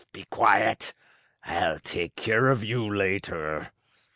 Be quiet! I'll take care of you later."